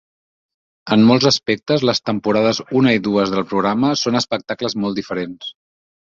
En molts aspectes, les temporades una i dues del programa són espectacles molt diferents.